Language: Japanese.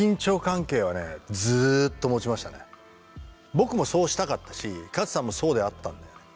僕もそうしたかったし勝さんもそうであったんだよね。